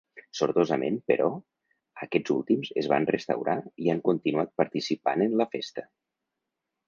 Sortosament, però, aquests últims es van restaurar i han continuat participant en la festa.